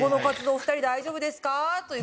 お二人大丈夫ですか？」という。